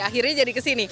akhirnya jadi kesini